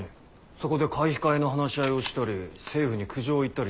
そこで買い控えの話し合いをしたり政府に苦情を言ったりしていた。